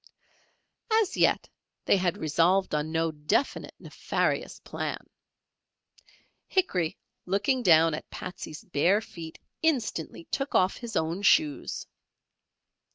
As yet they had resolved on no definite nefarious plan. Hickory looking down at Patsey's bare feet instantly took off his own shoes.